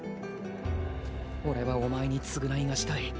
俺はお前に償いがしたい。